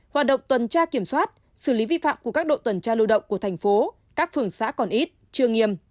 hoạt động tuần tra kiểm soát xử lý vi phạm của các đội tuần tra lưu động của thành phố các phường xã còn ít chưa nghiêm